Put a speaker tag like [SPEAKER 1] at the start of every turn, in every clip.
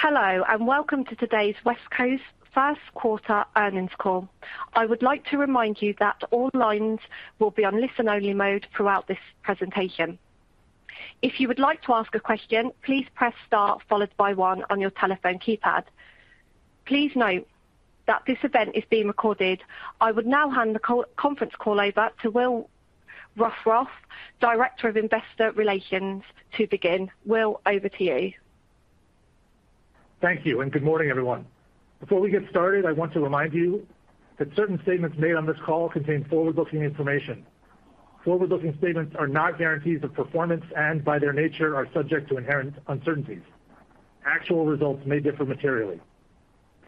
[SPEAKER 1] Hello, and welcome to today's WESCO's first quarter earnings call. I would like to remind you that all lines will be on listen-only mode throughout this presentation. If you would like to ask a question, please press star followed by one on your telephone keypad. Please note that this event is being recorded. I would now hand the conference call over to Will Ruthrauff, Director of Investor Relations, to begin. Will, over to you.
[SPEAKER 2] Thank you, and good morning, everyone. Before we get started, I want to remind you that certain statements made on this call contain forward-looking information. Forward-looking statements are not guarantees of performance, and by their nature, are subject to inherent uncertainties. Actual results may differ materially.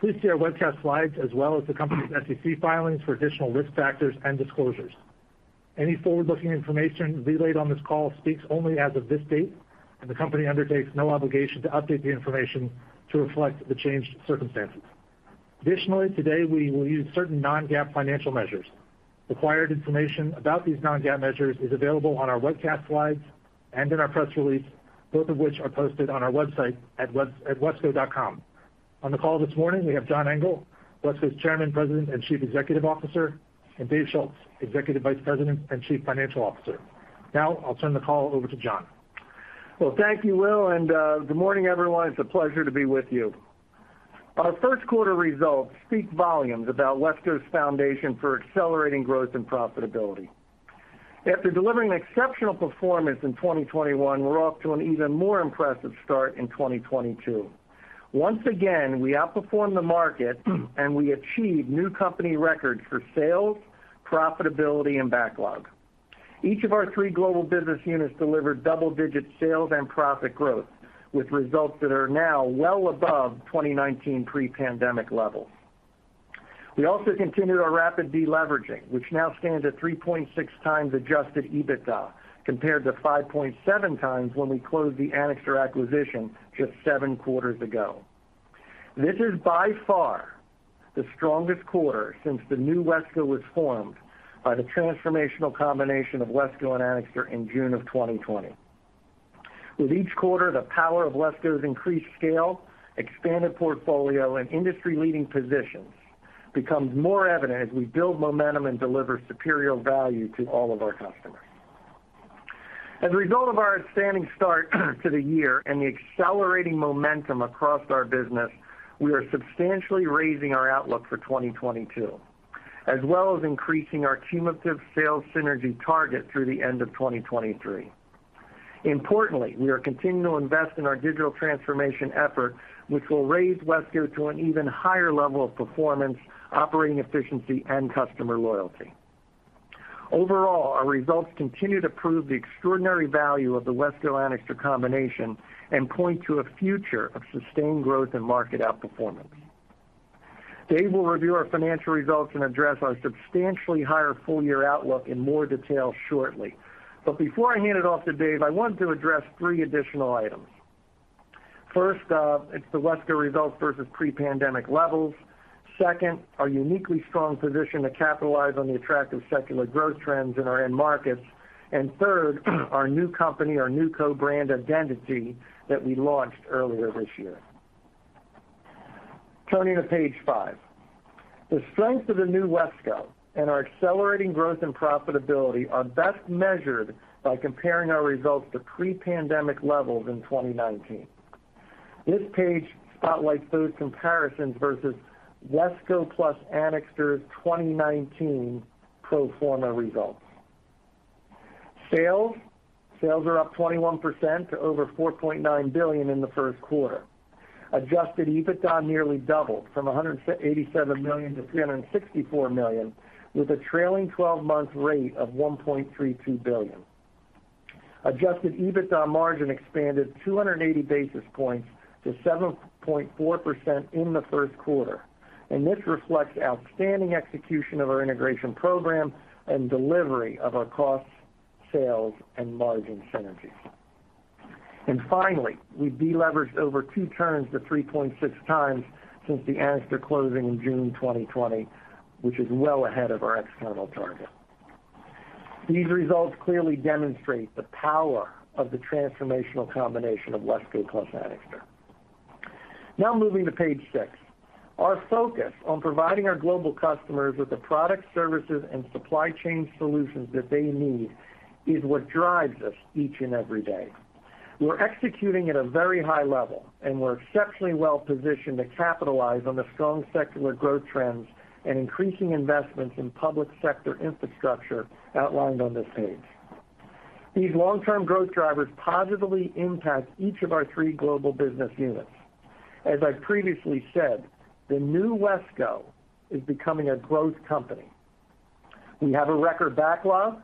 [SPEAKER 2] Please see our webcast slides as well as the company's SEC filings for additional risk factors and disclosures. Any forward-looking information relayed on this call speaks only as of this date, and the company undertakes no obligation to update the information to reflect the changed circumstances. Additionally, today, we will use certain non-GAAP financial measures. Required information about these non-GAAP measures is available on our webcast slides and in our press release, both of which are posted on our website at wesco.com. On the call this morning, we have John Engel, WESCO's Chairman, President, and Chief Executive Officer, and David Schulz, Executive Vice President and Chief Financial Officer. Now I'll turn the call over to John.
[SPEAKER 3] Well, thank you, Will, and good morning, everyone. It's a pleasure to be with you. Our first quarter results speak volumes about WESCO's foundation for accelerating growth and profitability. After delivering exceptional performance in 2021, we're off to an even more impressive start in 2022. Once again, we outperformed the market and we achieved new company records for sales, profitability, and backlog. Each of our three global business units delivered double-digit sales and profit growth, with results that are now well above 2019 pre-pandemic levels. We also continued our rapid deleveraging, which now stands at 3.6x adjusted EBITDA, compared to 5.7x when we closed the Anixter acquisition just seven quarters ago. This is by far the strongest quarter since the new WESCO was formed by the transformational combination of WESCO and Anixter in June of 2020. With each quarter, the power of WESCO's increased scale, expanded portfolio, and industry-leading positions becomes more evident as we build momentum and deliver superior value to all of our customers. As a result of our outstanding start to the year and the accelerating momentum across our business, we are substantially raising our outlook for 2022, as well as increasing our cumulative sales synergy target through the end of 2023. Importantly, we are continuing to invest in our digital transformation effort, which will raise WESCO to an even higher level of performance, operating efficiency, and customer loyalty. Overall, our results continue to prove the extraordinary value of the WESCO-Anixter combination and point to a future of sustained growth and market outperformance. Dave will review our financial results and address our substantially higher full-year outlook in more detail shortly. Before I hand it off to Dave, I want to address three additional items. First, it's the WESCO results versus pre-pandemic levels. Second, our uniquely strong position to capitalize on the attractive secular growth trends in our end markets. And third, our new company, our NewCo brand identity that we launched earlier this year. Turning to page five. The strength of the new WESCO and our accelerating growth and profitability are best measured by comparing our results to pre-pandemic levels in 2019. This page spotlights those comparisons versus WESCO plus Anixter's 2019 pro forma results. Sales. Sales are up 21% to over $4.9 billion in the first quarter. Adjusted EBITDA nearly doubled from $87 million to $364 million, with a trailing 12-month rate of $1.32 billion. Adjusted EBITDA margin expanded 280 basis points to 7.4% in the first quarter, and this reflects outstanding execution of our integration program and delivery of our cost, sales, and margin synergies. Finally, we've deleveraged over two turns to 3.6x since the Anixter closing in June 2020, which is well ahead of our external target. These results clearly demonstrate the power of the transformational combination of WESCO plus Anixter. Now moving to page six. Our focus on providing our global customers with the products, services, and supply chain solutions that they need is what drives us each and every day. We're executing at a very high level, and we're exceptionally well positioned to capitalize on the strong secular growth trends and increasing investments in public sector infrastructure outlined on this page. These long-term growth drivers positively impact each of our three global business units. As I've previously said, the new WESCO is becoming a growth company. We have a record backlog,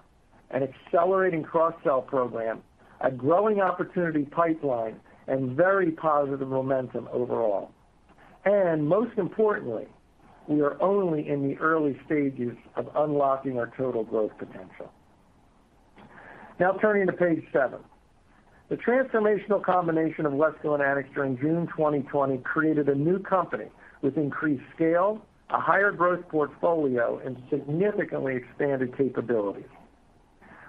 [SPEAKER 3] an accelerating cross-sell program, a growing opportunity pipeline, and very positive momentum overall. Most importantly, we are only in the early stages of unlocking our total growth potential. Now turning to page seven. The transformational combination of WESCO and Anixter in June 2020 created a new company with increased scale, a higher growth portfolio, and significantly expanded capabilities.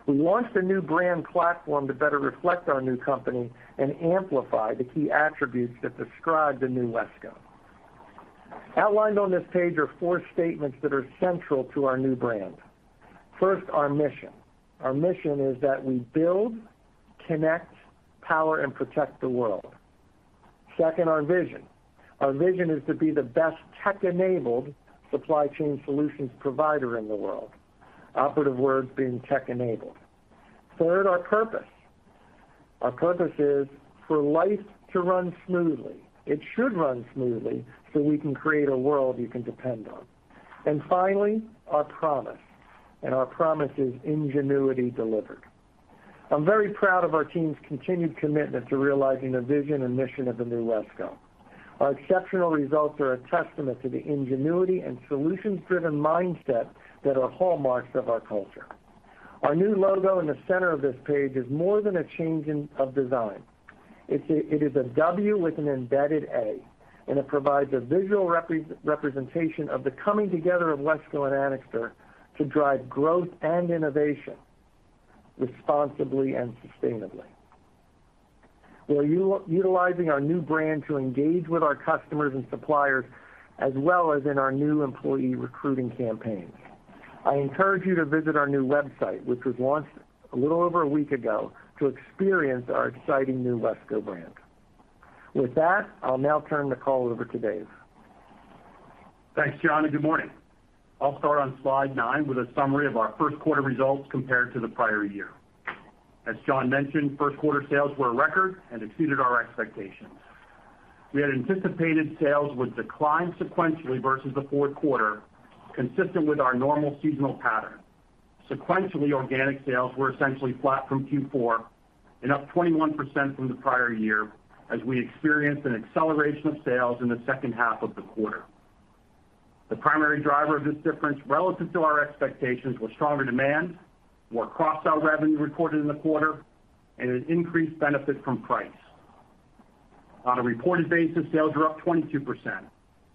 [SPEAKER 3] We launched a new brand platform to better reflect our new company and amplify the key attributes that describe the new WESCO. Outlined on this page are four statements that are central to our new brand. First, our mission. Our mission is that we build, connect, power and protect the world. Second, our vision. Our vision is to be the best tech-enabled supply chain solutions provider in the world, operative word being tech-enabled. Third, our purpose. Our purpose is for life to run smoothly. It should run smoothly so we can create a world you can depend on. Finally, our promise, and our promise is ingenuity delivered. I'm very proud of our team's continued commitment to realizing the vision and mission of the new WESCO. Our exceptional results are a testament to the ingenuity and solutions-driven mindset that are hallmarks of our culture. Our new logo in the center of this page is more than a change of design. It is a W with an embedded A, and it provides a visual representation of the coming together of WESCO and Anixter to drive growth and innovation responsibly and sustainably. We're utilizing our new brand to engage with our customers and suppliers, as well as in our new employee recruiting campaigns. I encourage you to visit our new website, which was launched a little over a week ago, to experience our exciting new WESCO brand. With that, I'll now turn the call over to Dave.
[SPEAKER 4] Thanks, John, and good morning. I'll start on slide nine with a summary of our first quarter results compared to the prior year. As John mentioned, first quarter sales were a record and exceeded our expectations. We had anticipated sales would decline sequentially versus the fourth quarter, consistent with our normal seasonal pattern. Sequentially, organic sales were essentially flat from Q4 and up 21% from the prior year as we experienced an acceleration of sales in the second half of the quarter. The primary driver of this difference relative to our expectations was stronger demand, more cross-sell revenue recorded in the quarter, and an increased benefit from price. On a reported basis, sales were up 22%.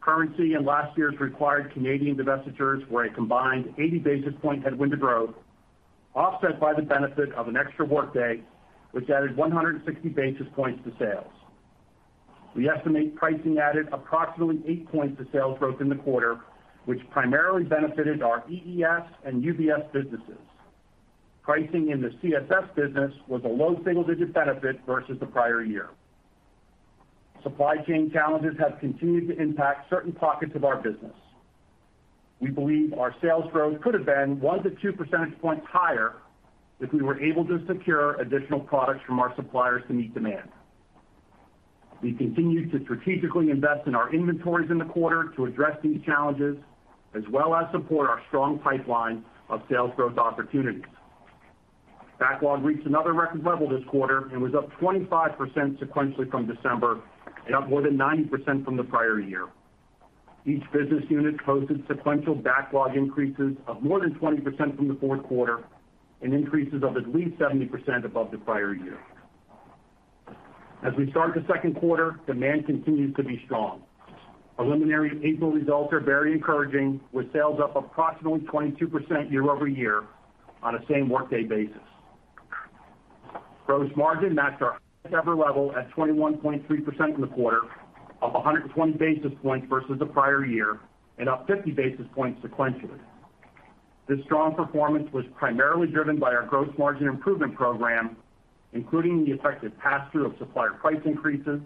[SPEAKER 4] Currency and last year's required Canadian divestitures were a combined 80 basis points headwind to growth, offset by the benefit of an extra workday, which added 160 basis points to sales. We estimate pricing added approximately 8 points to sales growth in the quarter, which primarily benefited our EES and UBS businesses. Pricing in the CSS business was a low single-digit benefit versus the prior year. Supply chain challenges have continued to impact certain pockets of our business. We believe our sales growth could have been 1 percentage points-2 percentage points higher if we were able to secure additional products from our suppliers to meet demand. We continued to strategically invest in our inventories in the quarter to address these challenges, as well as support our strong pipeline of sales growth opportunities. Backlog reached another record level this quarter and was up 25% sequentially from December and up more than 90% from the prior year. Each business unit posted sequential backlog increases of more than 20% from the fourth quarter and increases of at least 70% above the prior year. As we start the second quarter, demand continues to be strong. Preliminary April results are very encouraging, with sales up approximately 22% year over year on a same-workday basis. Gross margin matched our highest ever level at 21.3% in the quarter, up 120 basis points versus the prior year and up 50 basis points sequentially. This strong performance was primarily driven by our gross margin improvement program, including the effective pass-through of supplier price increases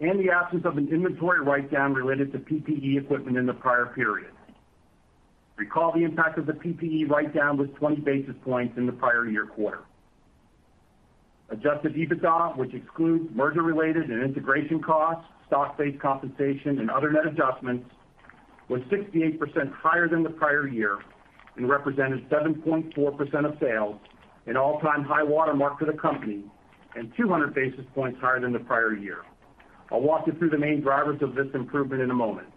[SPEAKER 4] and the absence of an inventory write-down related to PPE equipment in the prior period. Recall the impact of the PPE write-down was 20 basis points in the prior year quarter. Adjusted EBITDA, which excludes merger-related and integration costs, stock-based compensation, and other net adjustments, was 68% higher than the prior year and represented 7.4% of sales, an all-time high watermark for the company, and 200 basis points higher than the prior year. I'll walk you through the main drivers of this improvement in a moment.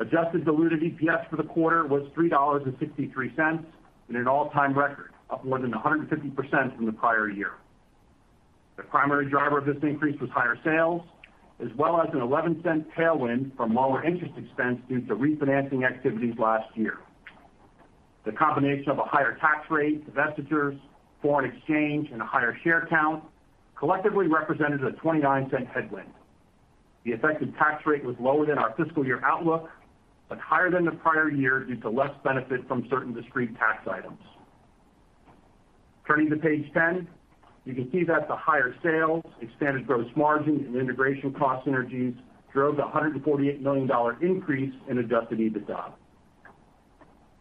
[SPEAKER 4] Adjusted diluted EPS for the quarter was $3.63 and an all-time record, up more than 150% from the prior year. The primary driver of this increase was higher sales, as well as a $0.11 tailwind from lower interest expense due to refinancing activities last year. The combination of a higher tax rate, divestitures, foreign exchange, and a higher share count collectively represented a $0.29 headwind. The effective tax rate was lower than our fiscal year outlook, but higher than the prior year due to less benefit from certain discrete tax items. Turning to page 10, you can see that the higher sales, expanded gross margin, and integration cost synergies drove the $148 million increase in adjusted EBITDA.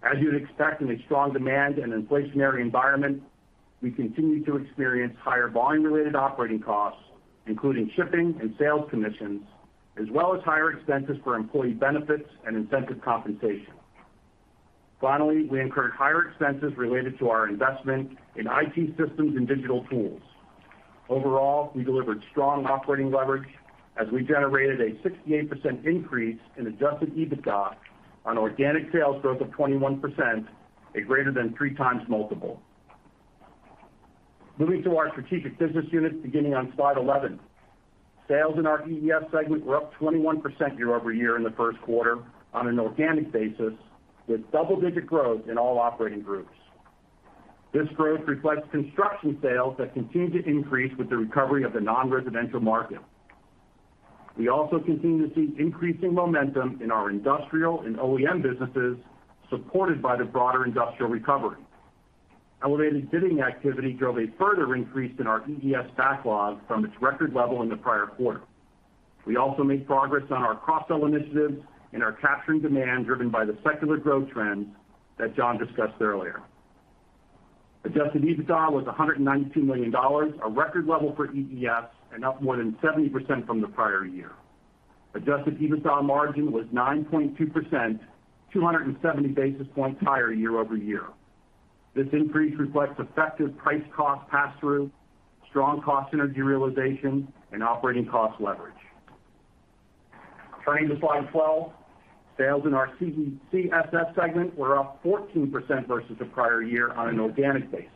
[SPEAKER 4] As you'd expect in a strong demand and inflationary environment, we continue to experience higher volume-related operating costs, including shipping and sales commissions, as well as higher expenses for employee benefits and incentive compensation. Finally, we incurred higher expenses related to our investment in IT systems and digital tools. Overall, we delivered strong operating leverage as we generated a 68% increase in adjusted EBITDA on organic sales growth of 21%, a greater than 3x multiple. Moving to our strategic business units, beginning on slide 11. Sales in our EES segment were up 21% year-over-year in the first quarter on an organic basis, with double-digit growth in all operating groups. This growth reflects construction sales that continue to increase with the recovery of the non-residential market. We also continue to see increasing momentum in our industrial and OEM businesses, supported by the broader industrial recovery. Elevated bidding activity drove a further increase in our EES backlog from its record level in the prior quarter. We also made progress on our cross-sell initiatives and are capturing demand driven by the secular growth trends that John discussed earlier. Adjusted EBITDA was $192 million, a record level for EES and up more than 70% from the prior year. Adjusted EBITDA margin was 9.2%, 270 basis points higher year-over-year. This increase reflects effective price cost passthrough, strong cost synergy realization, and operating cost leverage. Turning to slide 12, sales in our CSS segment were up 14% versus the prior year on an organic basis.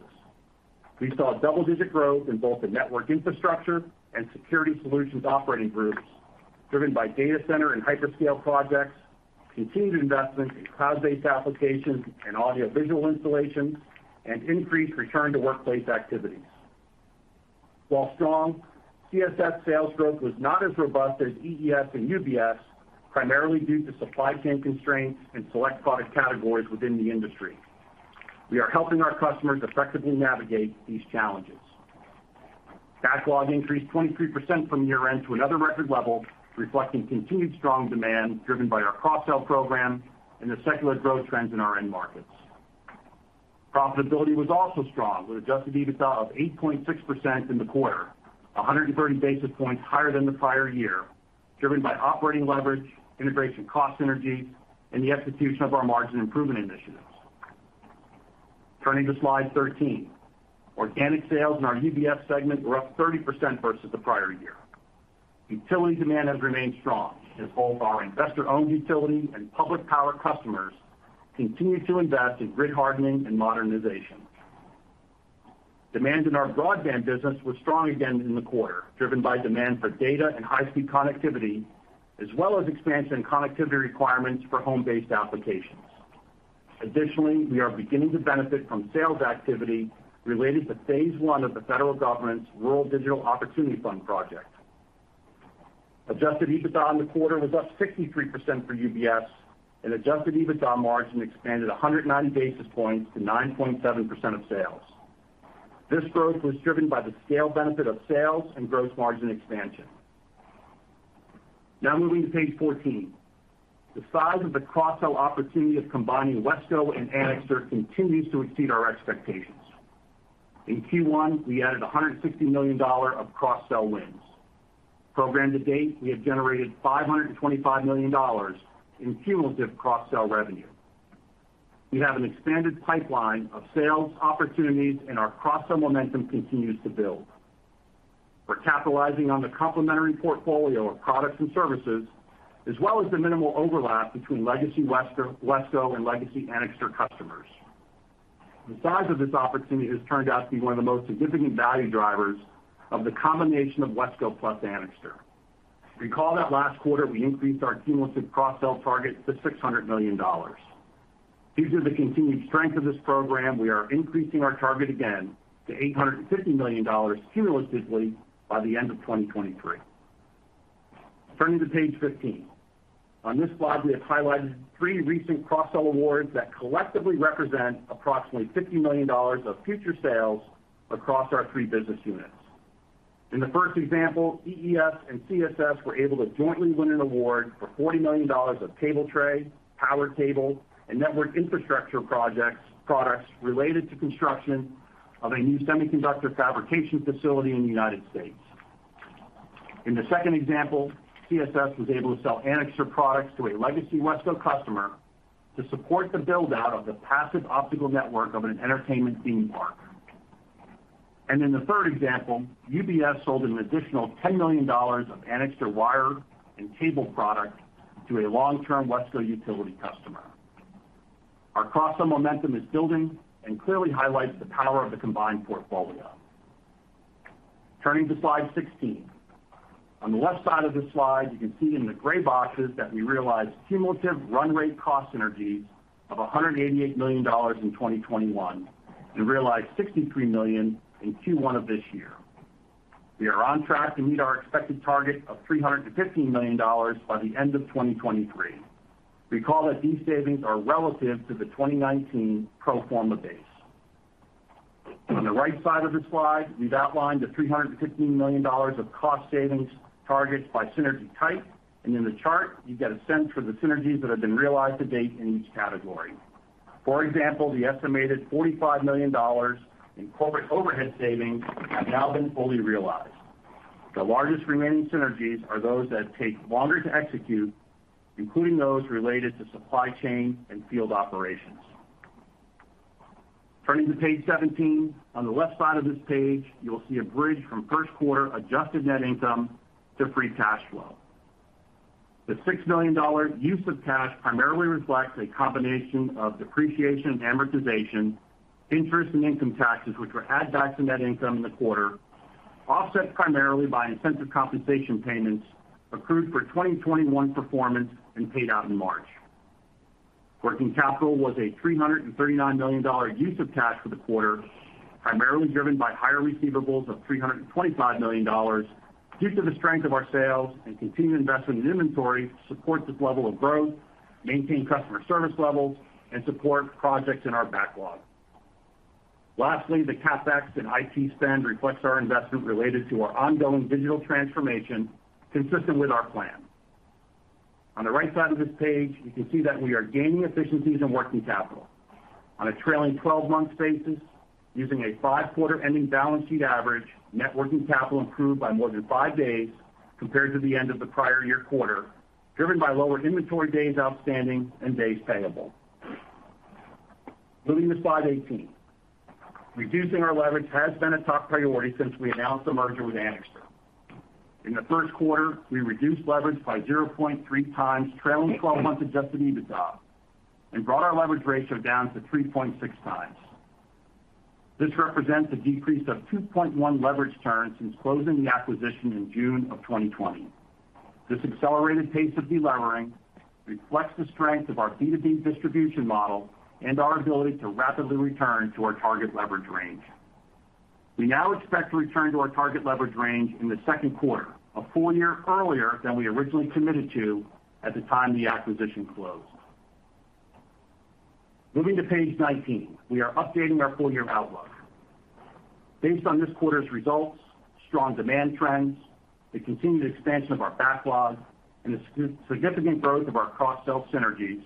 [SPEAKER 4] We saw double-digit growth in both the network infrastructure and security solutions operating groups, driven by data center and hyperscale projects, continued investment in cloud-based applications and audiovisual installations, and increased return to workplace activities. While strong, CSS sales growth was not as robust as EES and UBS, primarily due to supply chain constraints and select product categories within the industry. We are helping our customers effectively navigate these challenges. Backlog increased 23% from year-end to another record level, reflecting continued strong demand driven by our cross-sell program and the secular growth trends in our end markets. Profitability was also strong, with adjusted EBITDA of 8.6% in the quarter, 130 basis points higher than the prior year, driven by operating leverage, integration cost synergies, and the execution of our margin improvement initiatives. Turning to slide 13. Organic sales in our UBS segment were up 30% versus the prior year. Utility demand has remained strong as both our investor-owned utility and public power customers continue to invest in grid hardening and modernization. Demand in our broadband business was strong again in the quarter, driven by demand for data and high-speed connectivity, as well as expansion and connectivity requirements for home-based applications. Additionally, we are beginning to benefit from sales activity related to phase I of the federal government's Rural Digital Opportunity Fund project. Adjusted EBITDA in the quarter was up 63% for UBS, and adjusted EBITDA margin expanded 190 basis points to 9.7% of sales. This growth was driven by the scale benefit of sales and gross margin expansion. Now moving to page 14. The size of the cross-sell opportunity of combining WESCO and Anixter continues to exceed our expectations. In Q1, we added $160 million of cross-sell wins. Program to date, we have generated $525 million in cumulative cross-sell revenue. We have an expanded pipeline of sales opportunities, and our cross-sell momentum continues to build. We're capitalizing on the complementary portfolio of products and services, as well as the minimal overlap between legacy WESCO and legacy Anixter customers. The size of this opportunity has turned out to be one of the most significant value drivers of the combination of WESCO plus Anixter. Recall that last quarter, we increased our cumulative cross-sell target to $600 million. Due to the continued strength of this program, we are increasing our target again to $850 million cumulatively by the end of 2023. Turning to page 15. On this slide, we have highlighted three recent cross-sell awards that collectively represent approximately $50 million of future sales across our three business units. In the first example, EES and CSS were able to jointly win an award for $40 million of cable tray, power cable, and network infrastructure projects, products related to construction of a new semiconductor fabrication facility in the United States. In the second example, CSS was able to sell Anixter products to a legacy WESCO customer to support the build-out of the passive optical network of an entertainment theme park. In the third example, UBS sold an additional $10 million of Anixter wire and cable product to a long-term WESCO utility customer. Our cross-sell momentum is building and clearly highlights the power of the combined portfolio. Turning to slide 16. On the left side of this slide, you can see in the gray boxes that we realized cumulative run rate cost synergies of $188 million in 2021 and realized $63 million in Q1 of this year. We are on track to meet our expected target of $300 million-$315 million by the end of 2023. Recall that these savings are relative to the 2019 pro forma base. On the right side of this slide, we've outlined the $300 million-$315 million of cost savings targets by synergy type, and in the chart, you get a sense for the synergies that have been realized to date in each category. For example, the estimated $45 million in corporate overhead savings have now been fully realized. The largest remaining synergies are those that take longer to execute, including those related to supply chain and field operations. Turning to page 17. On the left side of this page, you will see a bridge from first quarter adjusted net income to Free Cash Flow. The $6 million use of cash primarily reflects a combination of depreciation and amortization, interest and income taxes, which were added back to net income in the quarter, offset primarily by incentive compensation payments accrued for 2021 performance and paid out in March. Working capital was a $339 million use of cash for the quarter, primarily driven by higher receivables of $325 million due to the strength of our sales and continued investment in inventory to support this level of growth, maintain customer service levels, and support projects in our backlog. Lastly, the CapEx and IT spend reflects our investment related to our ongoing digital transformation consistent with our plan. On the right side of this page, you can see that we are gaining efficiencies in working capital. On a trailing twelve months basis, using a five-quarter ending balance sheet average, net working capital improved by more than five days compared to the end of the prior year quarter, driven by lower inventory days outstanding and days payable. Moving to slide 18. Reducing our leverage has been a top priority since we announced the merger with Anixter. In the first quarter, we reduced leverage by 0.3x trailing twelve months adjusted EBITDA, and brought our leverage ratio down to 3.6x. This represents a decrease of 2.1 leverage turns since closing the acquisition in June 2020. This accelerated pace of de-levering reflects the strength of our B2B distribution model and our ability to rapidly return to our target leverage range. We now expect to return to our target leverage range in the second quarter, a full year earlier than we originally committed to at the time the acquisition closed. Moving to page 19. We are updating our full-year outlook. Based on this quarter's results, strong demand trends, the continued expansion of our backlog, and the significant growth of our cross-sell synergies,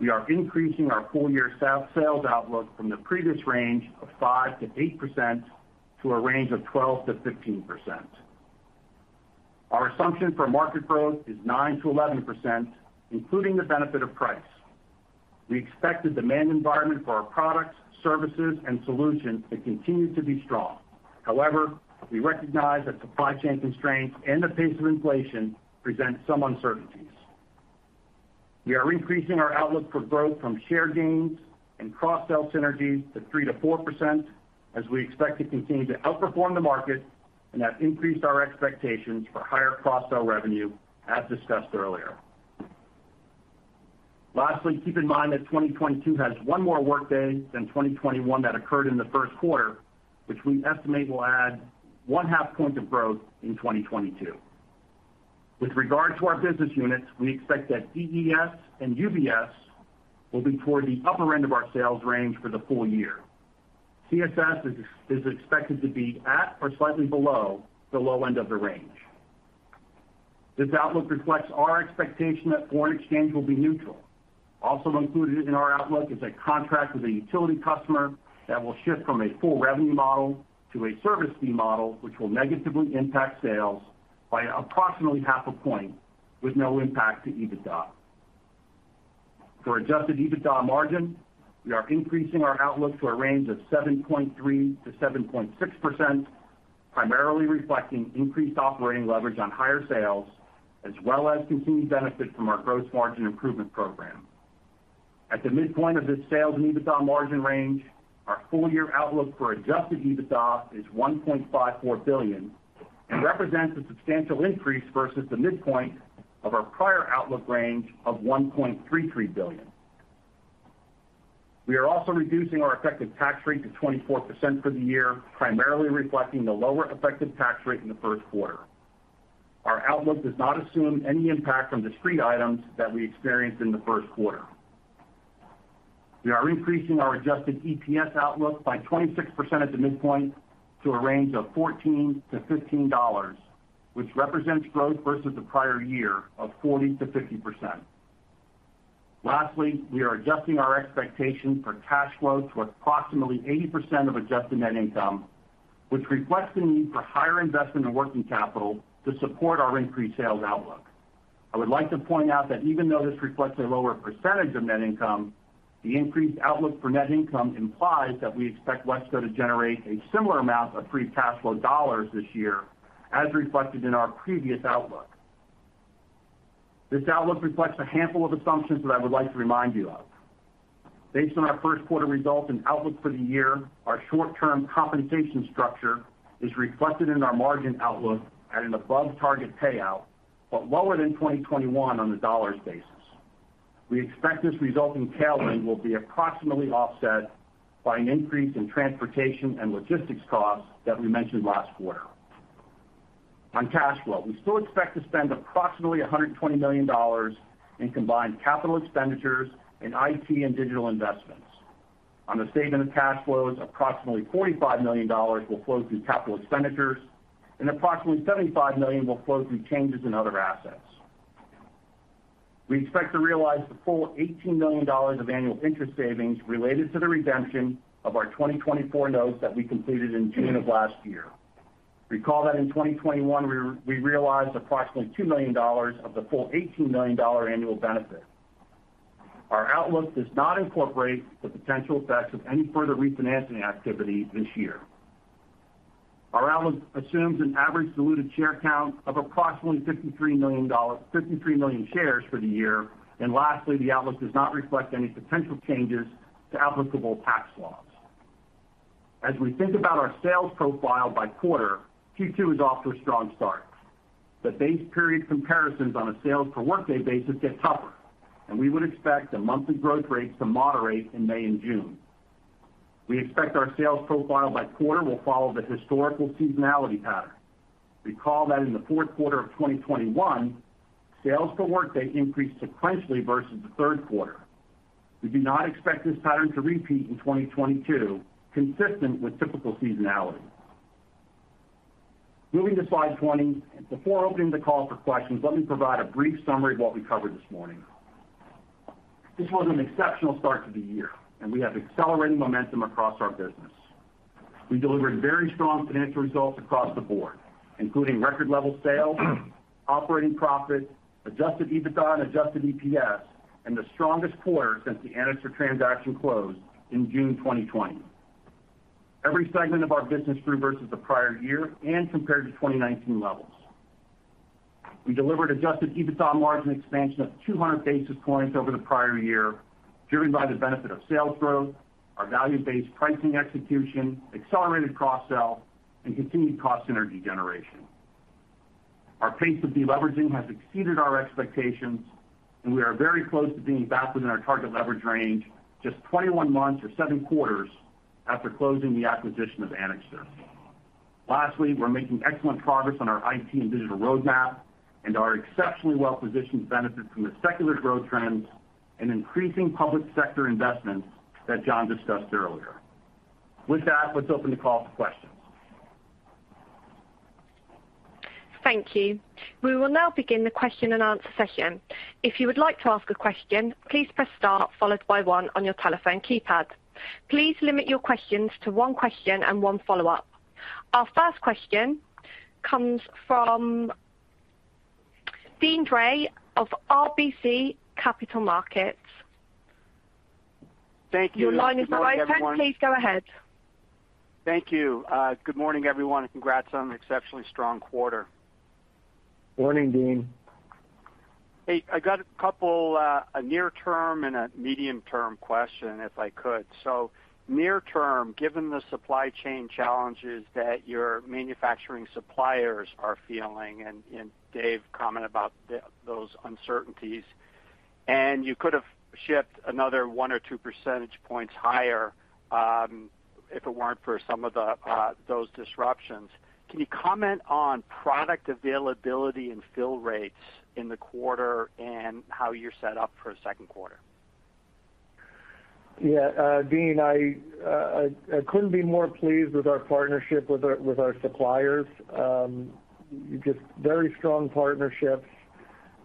[SPEAKER 4] we are increasing our full-year sales outlook from the previous range of 5%-8% to a range of 12%-15%. Our assumption for market growth is 9%-11%, including the benefit of price. We expect the demand environment for our products, services, and solutions to continue to be strong. However, we recognize that supply chain constraints and the pace of inflation present some uncertainties. We are increasing our outlook for growth from share gains and cross-sell synergies to 3%-4% as we expect to continue to outperform the market and have increased our expectations for higher cross-sell revenue as discussed earlier. Lastly, keep in mind that 2022 has one more workday than 2021 that occurred in the first quarter, which we estimate will add 0.5 point of growth in 2022. With regard to our business units, we expect that EES and UBS will be toward the upper end of our sales range for the full year. CSS is expected to be at or slightly below the low end of the range. This outlook reflects our expectation that foreign exchange will be neutral. Also included in our outlook is a contract with a utility customer that will shift from a full revenue model to a service fee model, which will negatively impact sales by approximately 0.5 point with no impact to EBITDA. For adjusted EBITDA margin, we are increasing our outlook to a range of 7.3%-7.6%, primarily reflecting increased operating leverage on higher sales as well as continued benefit from our gross margin improvement program. At the midpoint of this sales and EBITDA margin range, our full-year outlook for adjusted EBITDA is $1.54 billion and represents a substantial increase versus the midpoint of our prior outlook range of $1.33 billion. We are also reducing our effective tax rate to 24% for the year, primarily reflecting the lower effective tax rate in the first quarter. Our outlook does not assume any impact from discrete items that we experienced in the first quarter. We are increasing our adjusted EPS outlook by 26% at the midpoint to a range of $14-$15, which represents growth versus the prior year of 40%-50%. We are adjusting our expectations for cash flow to approximately 80% of adjusted net income, which reflects the need for higher investment in working capital to support our increased sales outlook. I would like to point out that even though this reflects a lower percentage of net income, the increased outlook for net income implies that we expect WESCO to generate a similar amount of free cash flow dollars this year as reflected in our previous outlook. This outlook reflects a handful of assumptions that I would like to remind you of. Based on our first quarter results and outlook for the year, our short-term compensation structure is reflected in our margin outlook at an above-target payout, but lower than 2021 on a dollars basis. We expect this resulting tailwind will be approximately offset by an increase in transportation and logistics costs that we mentioned last quarter. On cash flow, we still expect to spend approximately $120 million in combined capital expenditures in IT and digital investments. On the statement of cash flows, approximately $45 million will flow through capital expenditures, and approximately $75 million will flow through changes in other assets. We expect to realize the full $18 million of annual interest savings related to the redemption of our 2024 notes that we completed in June of last year. Recall that in 2021, we realized approximately $2 million of the full $18 million annual benefit. Our outlook does not incorporate the potential effects of any further refinancing activity this year. Our outlook assumes an average diluted share count of approximately 53 million shares for the year. Lastly, the outlook does not reflect any potential changes to applicable tax laws. As we think about our sales profile by quarter, Q2 is off to a strong start. The base period comparisons on a sales per workday basis get tougher, and we would expect the monthly growth rates to moderate in May and June. We expect our sales profile by quarter will follow the historical seasonality pattern. Recall that in the fourth quarter of 2021, sales per workday increased sequentially versus the third quarter. We do not expect this pattern to repeat in 2022, consistent with typical seasonality. Moving to slide 20. Before opening the call for questions, let me provide a brief summary of what we covered this morning. This was an exceptional start to the year, and we have accelerated momentum across our business. We delivered very strong financial results across the board, including record level sales, operating profit, adjusted EBITDA and adjusted EPS, and the strongest quarter since the Anixter transaction closed in June 2020. Every segment of our business grew versus the prior year and compared to 2019 levels. We delivered adjusted EBITDA margin expansion of 200 basis points over the prior year, driven by the benefit of sales growth, our value-based pricing execution, accelerated cross-sell, and continued cost synergy generation. Our pace of deleveraging has exceeded our expectations, and we are very close to being back within our target leverage range just 21 months or seven quarters after closing the acquisition of Anixter. Lastly, we're making excellent progress on our IT and digital roadmap, and we're exceptionally well-positioned to benefit from the secular growth trends and increasing public sector investments that John discussed earlier. With that, let's open the call for questions.
[SPEAKER 1] Thank you. We will now begin the question-and-answer session. If you would like to ask a question, please press star followed by one on your telephone keypad. Please limit your questions to one question and one follow-up. Our first question comes from Deane Dray of RBC Capital Markets. Your line is now open. Please go ahead.
[SPEAKER 5] Thank you. Good morning, everyone, and congrats on an exceptionally strong quarter.
[SPEAKER 3] Morning, Deane.
[SPEAKER 5] I got a couple, a near term and a medium-term question, if I could. Near term, given the supply chain challenges that your manufacturing suppliers are feeling and Dave's comment about those uncertainties, and you could have shipped another 1 percentage points or 2 percentage points higher, if it weren't for some of those disruptions. Can you comment on product availability and fill rates in the quarter and how you're set up for the second quarter?
[SPEAKER 3] Yeah, Dean, I couldn't be more pleased with our partnership with our suppliers. Just very strong partnerships.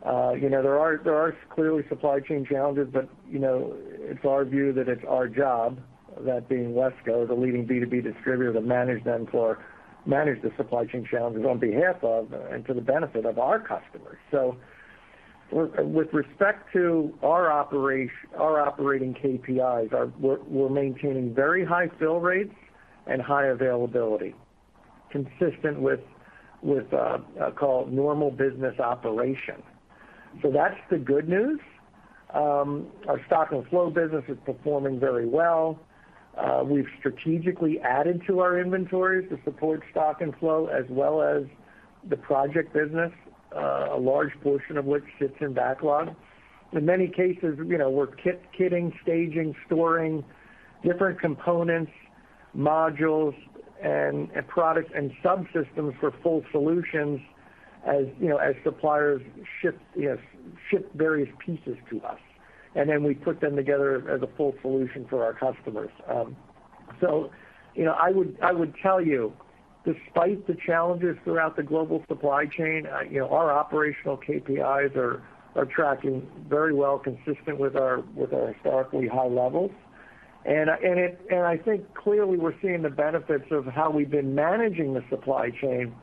[SPEAKER 3] You know, there are clearly supply chain challenges, but you know, it's our view that it's our job, that being WESCO, the leading B2B distributor, to manage the supply chain challenges on behalf of and to the benefit of our customers. With respect to our operating KPIs, we're maintaining very high fill rates and high availability consistent with call it normal business operation. That's the good news. Our stock and flow business is performing very well. We've strategically added to our inventories to support stock and flow, as well as the project business, a large portion of which sits in backlog. In many cases, we're kitting, staging, storing different components, modules and products and subsystems for full solutions as suppliers ship, you know, various pieces to us, and then we put them together as a full solution for our customers. You know, I would tell you, despite the challenges throughout the global supply chain, you know, our operational KPIs are tracking very well, consistent with our historically high levels. I think clearly we're seeing the benefits of how we've been managing the supply chain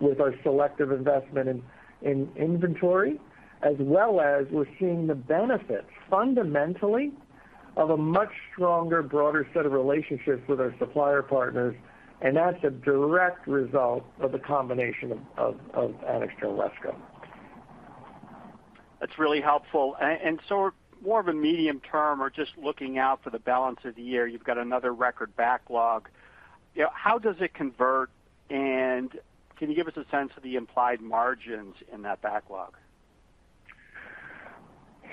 [SPEAKER 3] with our selective investment in inventory, as well as we're seeing the benefits fundamentally of a much stronger, broader set of relationships with our supplier partners, and that's a direct result of the combination of Anixter and WESCO.
[SPEAKER 5] That's really helpful. More of a medium term or just looking out for the balance of the year, you've got another record backlog. How does it convert, and can you give us a sense of the implied margins in that backlog?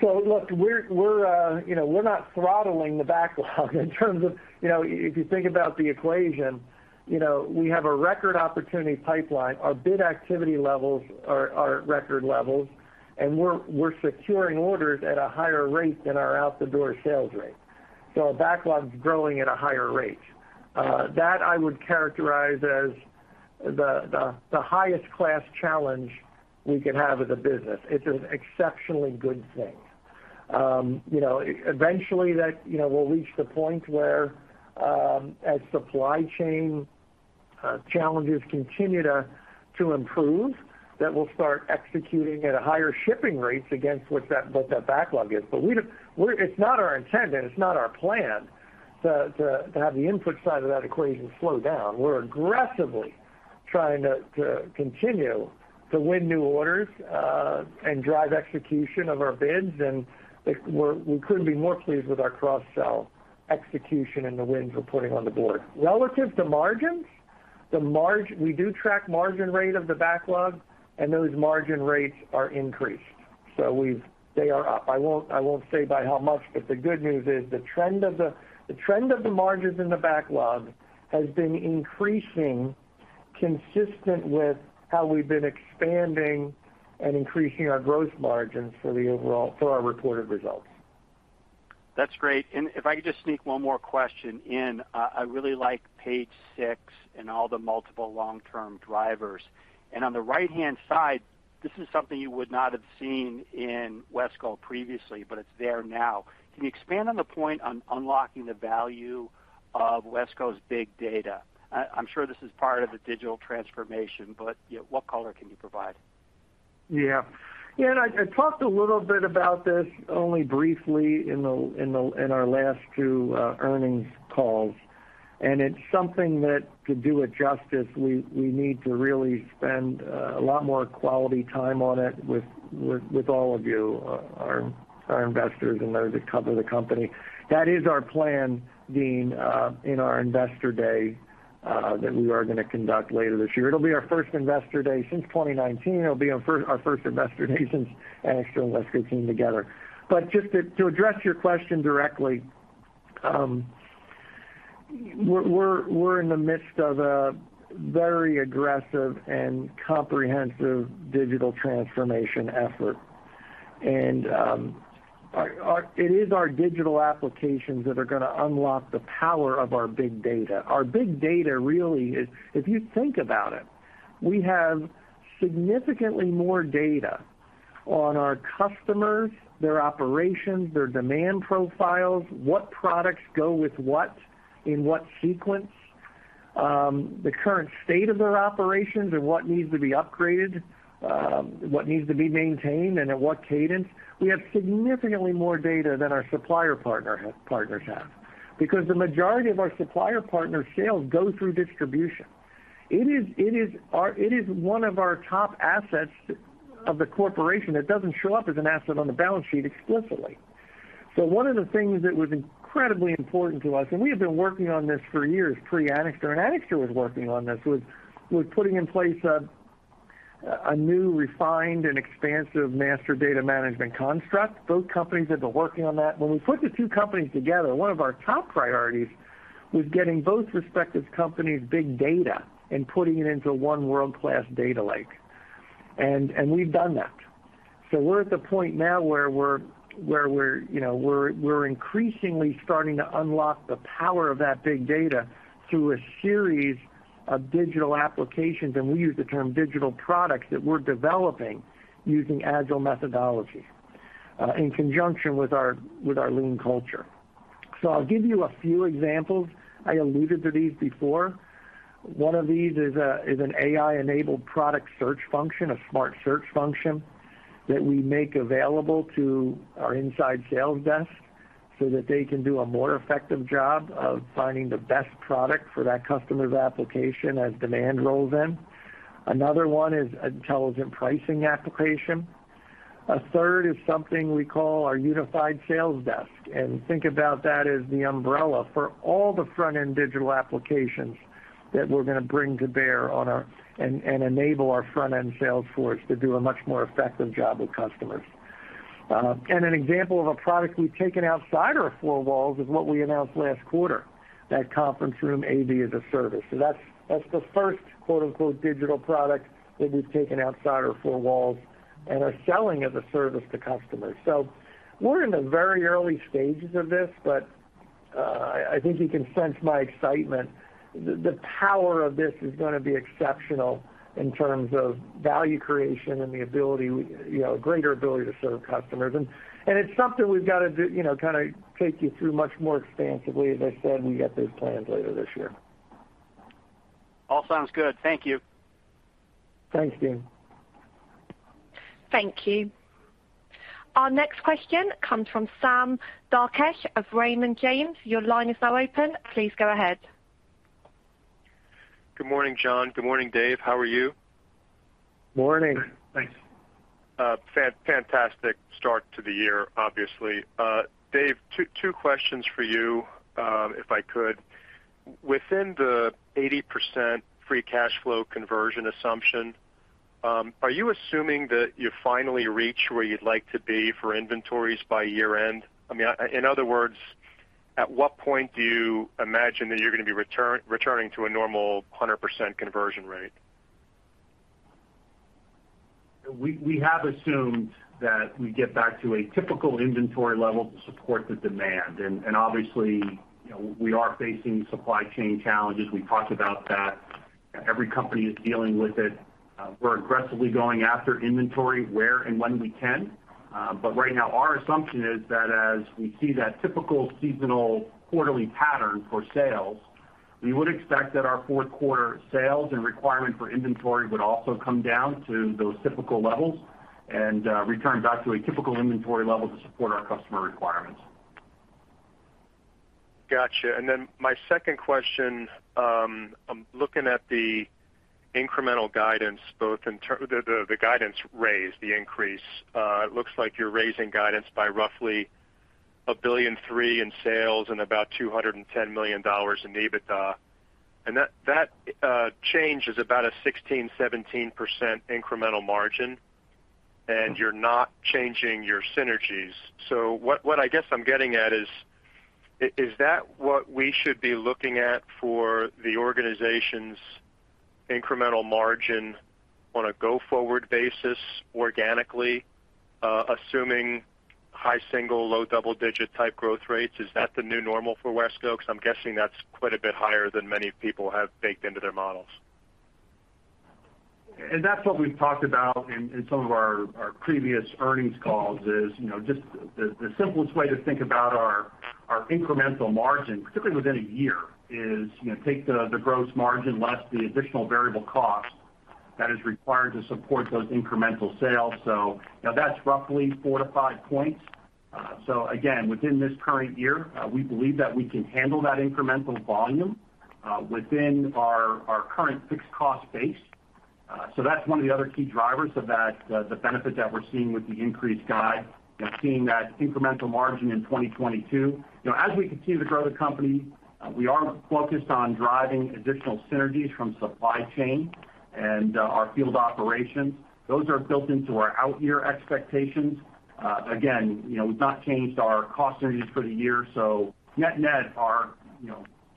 [SPEAKER 3] Look, we're not throttling the backlog in terms of, you know, if you think about the equation, we have a record opportunity pipeline. Our bid activity levels are at record levels, and we're securing orders at a higher rate than our out-the-door sales rate. Backlog's growing at a higher rate. That I would characterize as the highest class challenge we could have as a business. It's an exceptionally good thing. Eventually we'll reach the point where, as supply chain challenges continue to improve, we'll start executing at higher shipping rates against what that backlog is. It's not our intent, and it's not our plan to have the input side of that equation slow down. We're aggressively trying to continue to win new orders and drive execution of our bids. We couldn't be more pleased with our cross-sell execution and the wins we're putting on the board. Relative to margins, we do track margin rate of the backlog, and those margin rates are increased. They are up. I won't say by how much, but the good news is the trend of the margins in the backlog has been increasing consistent with how we've been expanding and increasing our gross margins for our reported results.
[SPEAKER 5] That's great. If I could just sneak one more question in. I really like page six and all the multiple long-term drivers. On the right-hand side, this is something you would not have seen in WESCO previously, but it's there now. Can you expand on the point on unlocking the value of WESCO's big data? I'm sure this is part of the digital transformation, but what color can you provide?
[SPEAKER 3] I talked a little bit about this only briefly in our last two earnings calls. It's something that to do it justice, we need to really spend a lot more quality time on it with all of you, our investors and those that cover the company. That is our plan, Deane, in our investor day that we are gonna conduct later this year. It'll be our first investor day since 2019. It'll be our first investor day since Anixter and WESCO came together. Just to address your question directly, we're in the midst of a very aggressive and comprehensive digital transformation effort. It is our digital applications that are gonna unlock the power of our big data. Our big data really is. If you think about it, we have significantly more data on our customers, their operations, their demand profiles, what products go with what, in what sequence, the current state of their operations and what needs to be upgraded, what needs to be maintained, and at what cadence. We have significantly more data than our supplier partners have. Because the majority of our supplier partners' sales go through distribution. It is one of our top assets of the corporation that doesn't show up as an asset on the balance sheet explicitly. One of the things that was incredibly important to us, and we have been working on this for years, pre-Anixter, and Anixter was working on this, was putting in place a new refined and expansive master data management construct. Both companies had been working on that. When we put the two companies together, one of our top priorities was getting both respective companies' big data and putting it into one world-class data lake. We've done that. We're at the point now where we're you know we're increasingly starting to unlock the power of that big data through a series of digital applications, and we use the term digital products that we're developing using agile methodology in conjunction with our lean culture. I'll give you a few examples. I alluded to these before. One of these is an AI-enabled product search function, a smart search function that we make available to our inside sales desk so that they can do a more effective job of finding the best product for that customer's application as demand rolls in. Another one is intelligent pricing application. A third is something we call our unified sales desk, and think about that as the umbrella for all the front-end digital applications that we're gonna bring to bear and enable our front-end sales force to do a much more effective job with customers. An example of a product we've taken outside our four walls is what we announced last quarter, that Conference Room A/V as a service. That's the first quote-unquote "digital product" that we've taken outside our four walls and are selling as a service to customers. We're in the very early stages of this, but I think you can sense my excitement. The power of this is gonna be exceptional in terms of value creation and the ability, you know, greater ability to serve customers. It's something we've got to do, you know, kind of take you through much more expansively. As I said, we got those plans later this year.
[SPEAKER 5] All sounds good. Thank you.
[SPEAKER 3] Thanks, Deane.
[SPEAKER 1] Thank you. Our next question comes from Sam Darkatsh of Raymond James. Your line is now open. Please go ahead.
[SPEAKER 6] Good morning, John. Good morning, Dave. How are you?
[SPEAKER 3] Morning.
[SPEAKER 6] Fantastic start to the year, obviously. David Schulz, two questions for you, if I could. Within the 80% Free Cash Flow conversion assumption, are you assuming that you finally reach where you'd like to be for inventories by year-end? I mean, in other words, at what point do you imagine that you're gonna be returning to a normal 100% conversion rate?
[SPEAKER 4] We have assumed that we get back to a typical inventory level to support the demand. Obviously, you know, we are facing supply chain challenges. We talked about that. Every company is dealing with it. We're aggressively going after inventory where and when we can. Right now, our assumption is that as we see that typical seasonal quarterly pattern for sales. We would expect that our fourth quarter sales and requirement for inventory would also come down to those typical levels and return back to a typical inventory level to support our customer requirements.
[SPEAKER 6] Got you. My second question, I'm looking at the guidance raise, the increase. It looks like you're raising guidance by roughly $1.3 billion in sales and about $210 million in EBITDA. That change is about a 16%-17% incremental margin, and you're not changing your synergies. What I guess I'm getting at is that what we should be looking at for the organization's incremental margin on a go-forward basis organically, assuming high single-digit, low double-digit type growth rates? Is that the new normal for WESCO? Because I'm guessing that's quite a bit higher than many people have baked into their models.
[SPEAKER 4] That's what we've talked about in some of our previous earnings calls is just the simplest way to think about our incremental margin, particularly within a year, is, take the gross margin less the additional variable cost that is required to support those incremental sales. You know, that's roughly 4 percentage points-5 percentage points. Again, within this current year, we believe that we can handle that incremental volume within our current fixed cost base. That's one of the other key drivers of that, the benefit that we're seeing with the increased guide and seeing that incremental margin in 2022. You know, as we continue to grow the company, we are focused on driving additional synergies from supply chain and our field operations. Those are built into our out-year expectations. Again, we've not changed our cost synergies for the year. Net-net our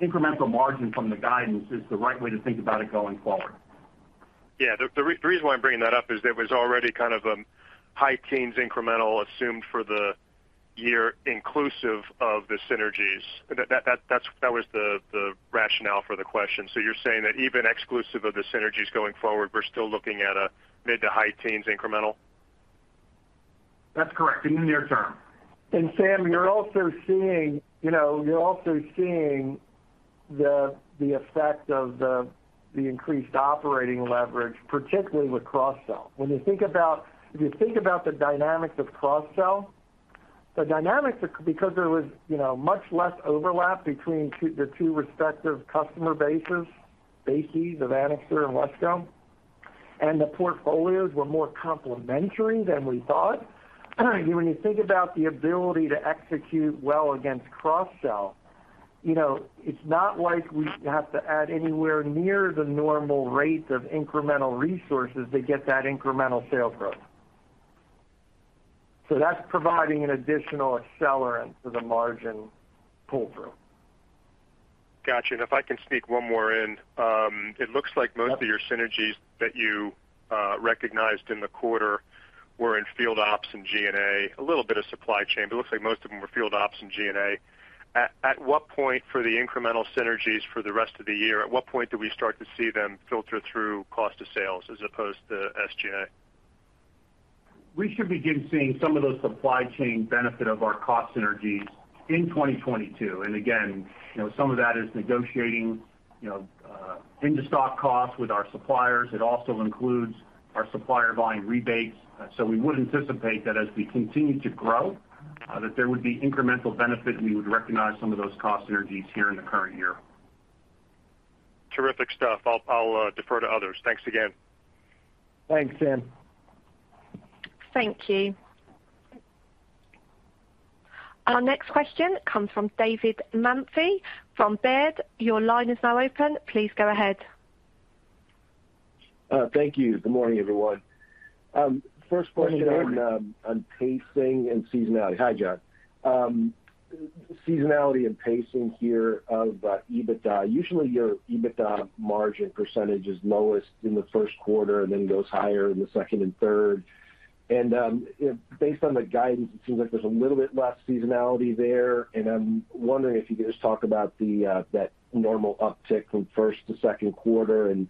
[SPEAKER 4] incremental margin from the guidance is the right way to think about it going forward.
[SPEAKER 6] Yeah. The reason why I'm bringing that up is there was already kind of a high teens incremental assumed for the year inclusive of the synergies. That was the rationale for the question. You're saying that even exclusive of the synergies going forward, we're still looking at a mid to high teens incremental?
[SPEAKER 4] That's correct, in the near term.
[SPEAKER 3] Sam, you're also seeing the effect of the increased operating leverage, particularly with cross-sell. When you think about the dynamics of cross-sell, the dynamics are because there was much less overlap between the two respective customer bases, basically, the Anixter, and WESCO, and the portfolios were more complementary than we thought. When you think about the ability to execute well against cross-sell, it's not like we have to add anywhere near the normal rate of incremental resources to get that incremental sales growth. That's providing an additional accelerant to the margin pull-through.
[SPEAKER 6] Got you. If I can sneak one more in. It looks like most of your synergies that you recognized in the quarter were in field ops and G&A, a little bit of supply chain, but it looks like most of them were field ops and G&A. At what point for the incremental synergies for the rest of the year do we start to see them filter through cost of sales as opposed to SG&A?
[SPEAKER 4] We should begin seeing some of those supply chain benefit of our cost synergies in 2022. Again, some of that is negotiating, in-stock costs with our suppliers. It also includes our supplier volume rebates. We would anticipate that as we continue to grow, that there would be incremental benefit, and we would recognize some of those cost synergies here in the current year.
[SPEAKER 6] Terrific stuff. I'll defer to others. Thanks again.
[SPEAKER 3] Thanks, Sam.
[SPEAKER 1] Thank you. Our next question comes from David Manthey from Baird. Your line is now open. Please go ahead.
[SPEAKER 7] Thank you. Good morning, everyone. First question on pacing and seasonality. Hi, John. Seasonality and pacing here of EBITDA. Usually, your EBITDA margin percentage is lowest in the first quarter and then goes higher in the second and third. Based on the guidance, it seems like there's a little bit less seasonality there. I'm wondering if you could just talk about that normal uptick from first to second quarter and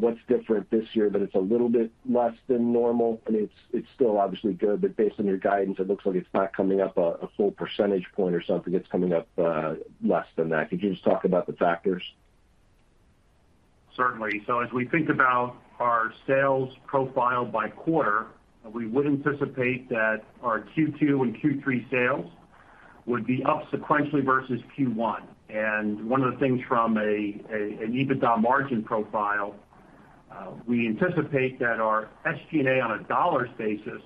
[SPEAKER 7] what's different this year, but it's a little bit less than normal, and it's still obviously good, but based on your guidance, it looks like it's not coming up a full percentage point or something. It's coming up less than that. Could you just talk about the factors?
[SPEAKER 4] Certainly. As we think about our sales profile by quarter, we would anticipate that our Q2 and Q3 sales would be up sequentially versus Q1. One of the things from an EBITDA margin profile, we anticipate that our SG&A on a dollars basis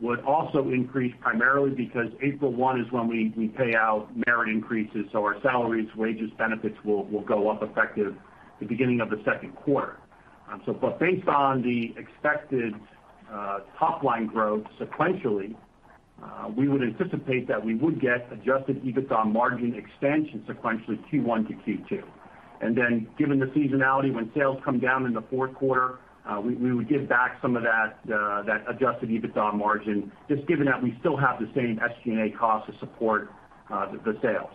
[SPEAKER 4] would also increase primarily because April 1 is when we pay out merit increases, so our salaries, wages, benefits will go up effective the beginning of the second quarter. But based on the expected top line growth sequentially, we would anticipate that we would get adjusted EBITDA margin expansion sequentially Q1 to Q2. Then given the seasonality, when sales come down in the fourth quarter, we would give back some of that adjusted EBITDA margin, just given that we still have the same SG&A cost to support the sales.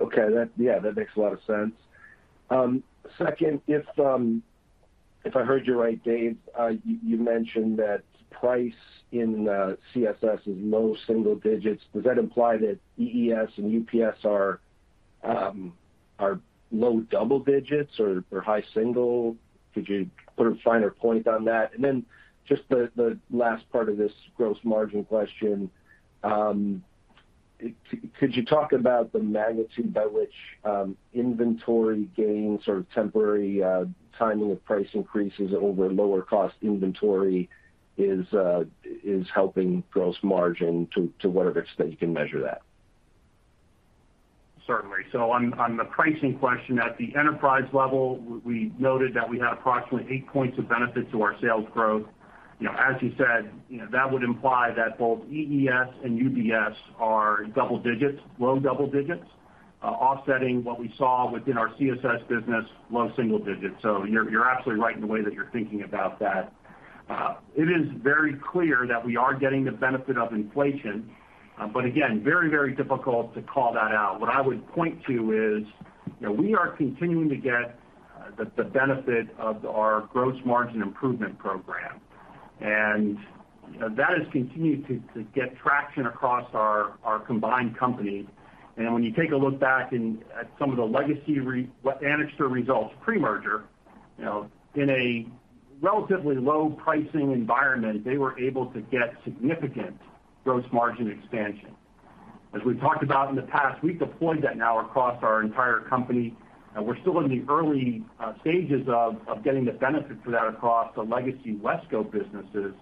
[SPEAKER 7] Okay, that makes a lot of sense. Second, if I heard you right, Dave, you mentioned that price in CSS is low single digits. Does that imply that EES and UBS are low double digits or high single? Could you put a finer point on that? Then just the last part of this gross margin question, could you talk about the magnitude by which inventory gains or temporary timing of price increases over lower cost inventory is helping gross margin to whatever extent you can measure that?
[SPEAKER 4] Certainly. On the pricing question, at the enterprise level, we noted that we had approximately eight points of benefit to our sales growth. You know, as you said, that would imply that both EES and UBS are double digits, low double digits, offsetting what we saw within our CSS business, low single digits. You're absolutely right in the way that you're thinking about that. It is very clear that we are getting the benefit of inflation, but again, very, very difficult to call that out. What I would point to is, you know, we are continuing to get the benefit of our gross margin improvement program. That has continued to get traction across our combined company. When you take a look back at some of the legacy Anixter results pre-merger, in a relatively low pricing environment, they were able to get significant gross margin expansion. As we've talked about in the past, we've deployed that now across our entire company, and we're still in the early stages of getting the benefit for that across the legacy WESCO businesses.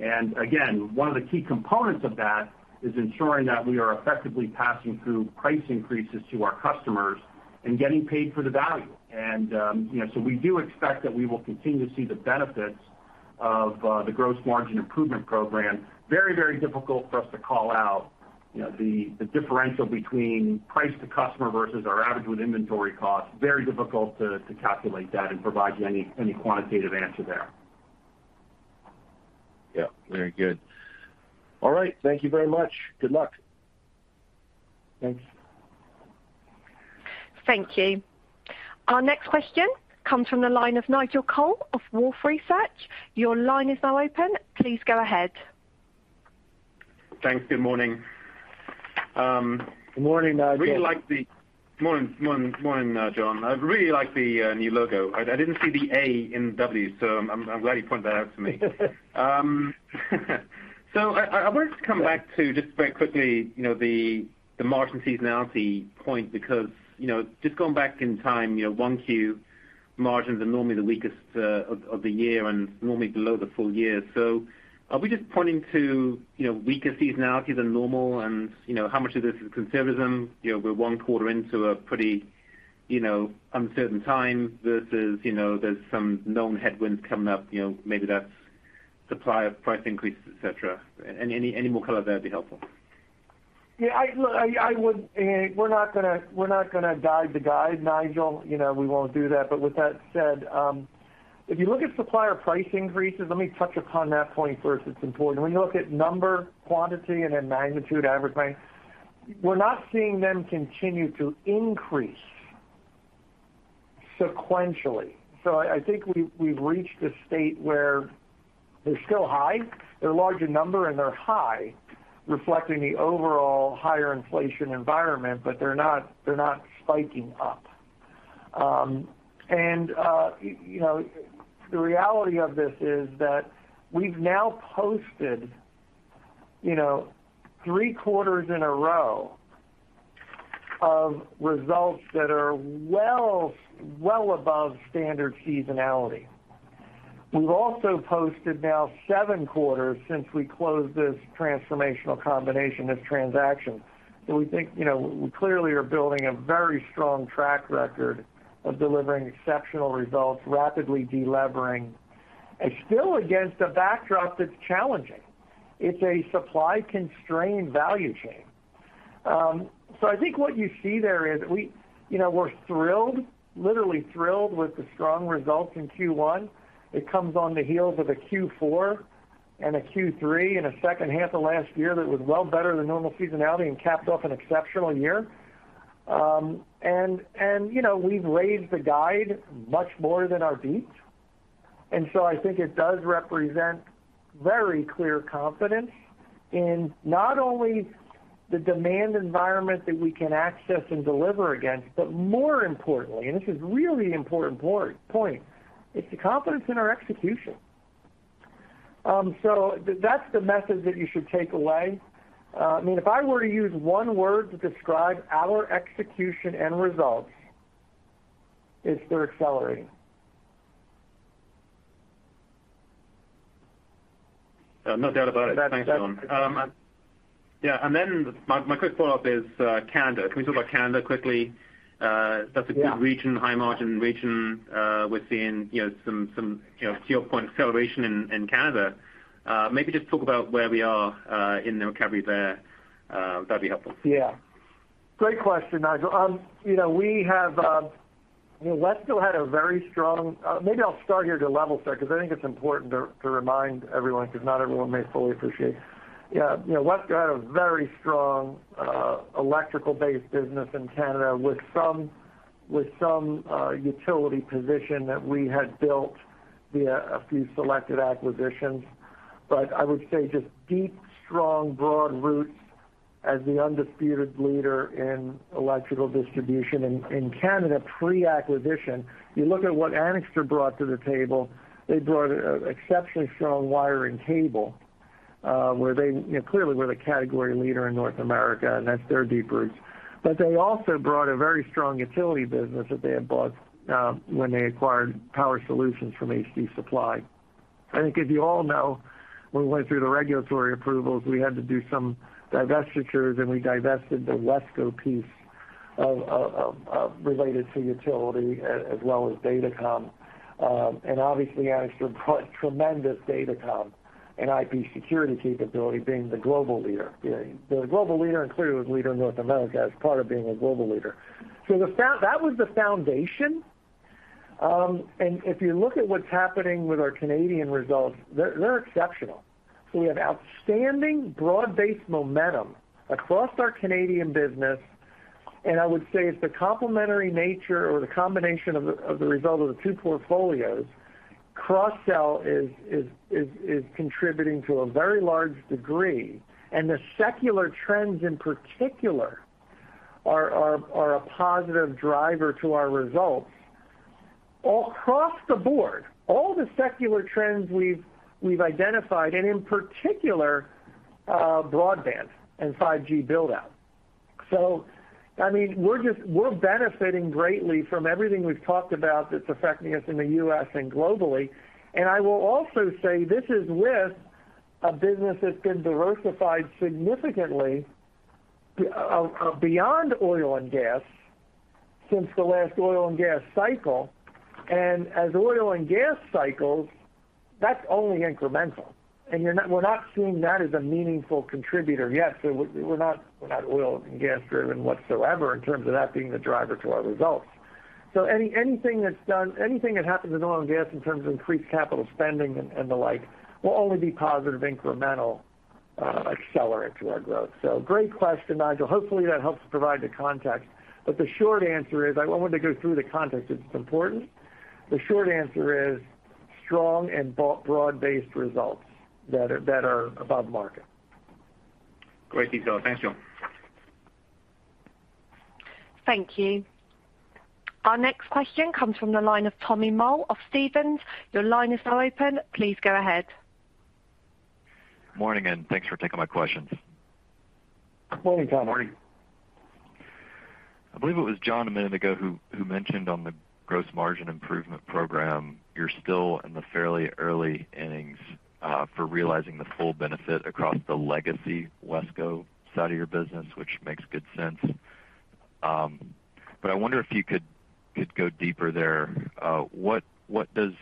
[SPEAKER 4] Again, one of the key components of that is ensuring that we are effectively passing through price increases to our customers and getting paid for the value. We do expect that we will continue to see the benefits of the gross margin improvement program. Very, very difficult for us to call out, the differential between price to customer versus our average goods inventory cost. Very difficult to calculate that and provide you any quantitative answer there.
[SPEAKER 7] Yeah, very good.
[SPEAKER 4] All right. Thank you very much. Good luck.
[SPEAKER 3] Thanks.
[SPEAKER 1] Thank you. Our next question comes from the line of Nigel Coe of Wolfe Research. Your line is now open. Please go ahead.
[SPEAKER 8] Thanks. Good morning.
[SPEAKER 3] Good morning, Nigel.
[SPEAKER 8] Morning, John. I really like the new logo. I didn't see the A in W, so I'm glad you pointed that out to me. I wanted to come back to just very quickly, the margin seasonality point because, just going back in time, 1Q margins are normally the weakest of the year and normally below the full year. Are we just pointing to weaker seasonality than normal, and how much of this is conservatism? You know, we're one quarter into a pretty uncertain time versus, you know, there's some known headwinds coming up, maybe that's supplier price increases, et cetera. Any more color there would be helpful.
[SPEAKER 3] We're not gonna guide the guide, Nigel. You know, we won't do that. With that said, if you look at supplier price increases, let me touch upon that point first. It's important. When you look at number, quantity, and then magnitude, average price, we're not seeing them continue to increase sequentially. So I think we've reached a state where they're still high. They're large in number, and they're high, reflecting the overall higher inflation environment, but they're not spiking up. You know, the reality of this is that we've now posted three quarters in a row of results that are well above standard seasonality. We've also posted now seven quarters since we closed this transformational combination, this transaction. We think, we clearly are building a very strong track record of delivering exceptional results, rapidly delevering, and still against a backdrop that's challenging. It's a supply-constrained value chain. I think what you see there is we're thrilled, literally thrilled with the strong results in Q1. It comes on the heels of a Q4 and a Q3 and a second half of last year that was well better than normal seasonality and capped off an exceptional year. You know, we've raised the guide much more than our beats. I think it does represent very clear confidence in not only the demand environment that we can access and deliver against, but more importantly, and this is really important point, it's the confidence in our execution. That's the message that you should take away. I mean, if I were to use one word to describe our execution and results, it's "they're accelerating".
[SPEAKER 8] No doubt about it. Thanks, John. Yeah. My quick follow-up is Canada. Can we talk about Canada quickly?
[SPEAKER 3] Yeah.
[SPEAKER 8] That's a good region, high margin region. We're seeing some, to your point, acceleration in Canada. Maybe just talk about where we are in the recovery there. That'd be helpful.
[SPEAKER 3] Great question, Nigel Coe. You know, WESCO had a very strong. Maybe I'll start here to level set because I think it's important to remind everyone because not everyone may fully appreciate. You know, WESCO had a very strong electrical-based business in Canada with some utility position that we had built via a few selected acquisitions. I would say just deep, strong, broad roots as the undisputed leader in electrical distribution in Canada pre-acquisition. You look at what Anixter brought to the table, they brought a exceptionally strong wiring cable where they, you know, clearly were the category leader in North America, and that's their deep roots. They also brought a very strong utility business that they had bought when they acquired Power Solutions from HD Supply. I think as you all know, when we went through the regulatory approvals, we had to do some divestitures, and we divested the WESCO piece of related to utility as well as Datacom. Obviously, Anixter brought tremendous Datacom and IP security capability being the global leader. They're a global leader, and clearly was leader in North America as part of being a global leader. That was the foundation. If you look at what's happening with our Canadian results, they're exceptional. We have outstanding broad-based momentum across our Canadian business, and I would say it's the complementary nature or the combination of the result of the two portfolios. Cross-sell is contributing to a very large degree, and the secular trends in particular are a positive driver to our results across the board. All the secular trends we've identified, in particular broadband and 5G build-out. I mean, we're benefiting greatly from everything we've talked about that's affecting us in the U.S. and globally. I will also say this is with a business that's been diversified significantly beyond oil and gas since the last oil and gas cycle. As oil and gas cycles, that's only incremental. We're not seeing that as a meaningful contributor yet. We're not oil and gas-driven whatsoever in terms of that being the driver to our results. Anything that happens in oil and gas in terms of increased capital spending and the like will only be positive incremental accelerant to our growth. Great question, Nigel. Hopefully, that helps provide the context. The short answer is I wanted to go through the context 'cause it's important. The short answer is strong and broad-based results that are above market.
[SPEAKER 8] Great detail. Thanks, John.
[SPEAKER 1] Thank you. Our next question comes from the line of Tommy Moll of Stephens. Your line is now open. Please go ahead.
[SPEAKER 9] Morning, and thanks for taking my questions.
[SPEAKER 3] Morning, Tommy.
[SPEAKER 9] Morning. I believe it was John Engel a minute ago who mentioned on the gross margin improvement program, you're still in the fairly early innings for realizing the full benefit across the legacy WESCO side of your business, which makes good sense. I wonder if you could go deeper there. What is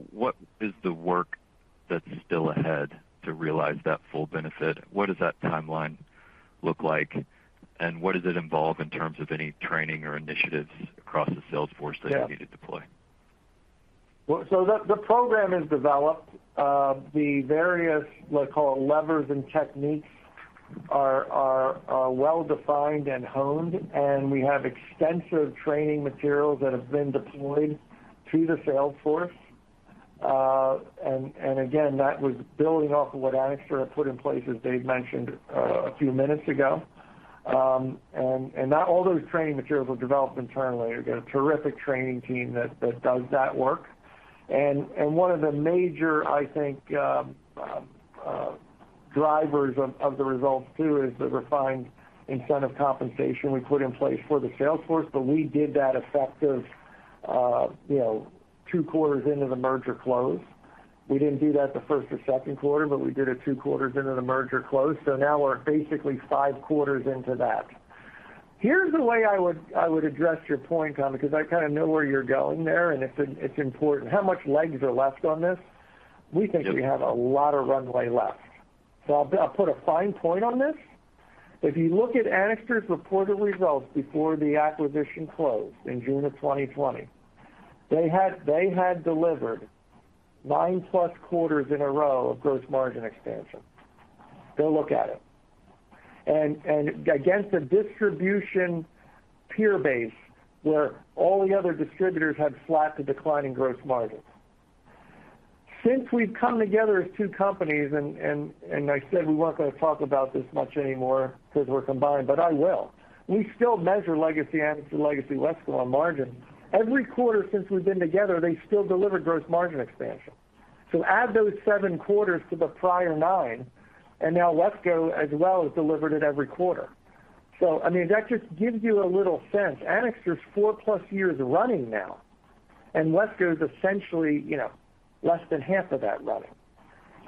[SPEAKER 9] the work that's still ahead to realize that full benefit? What does that timeline look like? What does it involve in terms of any training or initiatives across the sales force that you need to deploy?
[SPEAKER 3] The program is developed. The various, let's call it levers and techniques are well-defined and honed, and we have extensive training materials that have been deployed to the sales force. That was building off of what Anixter had put in place, as Dave mentioned, a few minutes ago. That all those training materials were developed internally. They've got a terrific training team that does that work. One of the major, I think, drivers of the results too is the refined incentive compensation we put in place for the sales force, but we did that effective two quarters into the merger close. We didn't do that the first quarter or second quarter, but we did it two quarters into the merger close. Now we're basically five quarters into that. Here's the way I would address your point, Tommy, 'cause I kinda know where you're going there, and it's important. How much legs are left on this?
[SPEAKER 9] Yep.
[SPEAKER 3] We think we have a lot of runway left. I'll put a fine point on this. If you look at Anixter's reported results before the acquisition closed in June of 2020, they had delivered nine plus quarters in a row of gross margin expansion. Go look at it. Against a distribution peer base where all the other distributors had flat to declining gross margins. Since we've come together as two companies, I said we weren't gonna talk about this much anymore because we're combined, but I will. We still measure legacy Anixter, legacy WESCO on margin. Every quarter since we've been together, they still deliver gross margin expansion. Add those seven quarters to the prior nine, and now WESCO as well has delivered it every quarter. I mean, that just gives you a little sense. Anixter is four-plus years running now, and WESCO is essentially, you know, less than half of that running.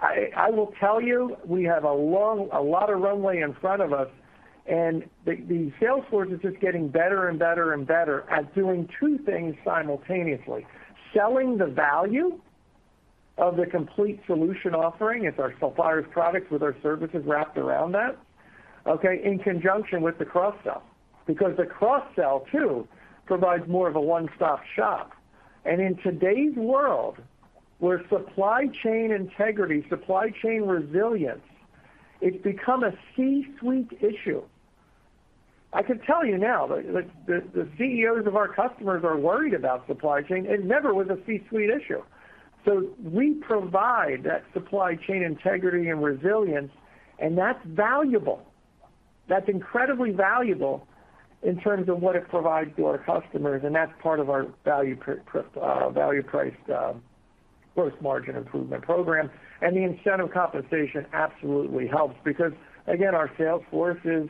[SPEAKER 3] I will tell you, we have a lot of runway in front of us, and the sales force is just getting better and better and better at doing two things simultaneously: selling the value of the complete solution offering. It's our suppliers products with our services wrapped around that, okay? In conjunction with the cross-sell, because the cross-sell too provides more of a one-stop shop. In today's world, where supply chain integrity, supply chain resilience, it's become a C-suite issue. I can tell you now the CEOs of our customers are worried about supply chain. It never was a C-suite issue. We provide that supply chain integrity and resilience, and that's valuable. That's incredibly valuable in terms of what it provides to our customers, and that's part of our value-priced gross margin improvement program. The incentive compensation absolutely helps because, again, our sales force is